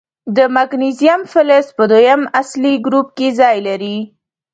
د مګنیزیم فلز په دویم اصلي ګروپ کې ځای لري.